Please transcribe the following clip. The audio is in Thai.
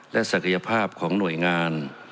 และศักยภาพของหน่วยงาน